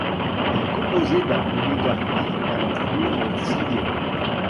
Elle est composée d'un rouleau garni d'un cuir strié.